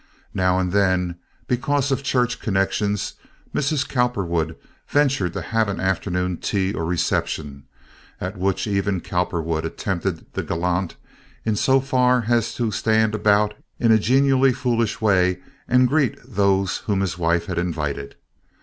Now and then, because of church connections, Mrs. Cowperwood ventured to have an afternoon tea or reception, at which even Cowperwood attempted the gallant in so far as to stand about in a genially foolish way and greet those whom his wife had invited.